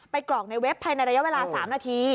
กรอกในเว็บภายในระยะเวลา๓นาที